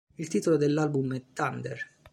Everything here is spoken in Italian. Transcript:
Il titolo dell'album è "Thunder".